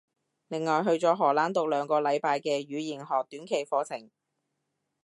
另外去咗荷蘭讀兩個禮拜嘅語言學短期課程